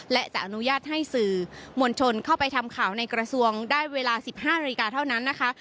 และจะอนุญาตให้สื่อมวลชนเข้าไปทำข่าวในกระทรวงได้เวลา๑๕นาฬิกาเท่านั้นนะคะ